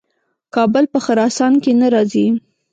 کابل په خراسان کې نه راځي.